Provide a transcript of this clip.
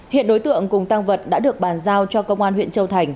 hiện đối tượng cùng tăng vật đã được bàn giao cho công an huyện châu thành